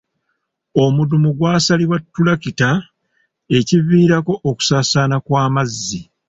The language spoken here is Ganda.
Omudumu gwasalibwa ttulakita ekiviirako okusaasaana kw'amazzi.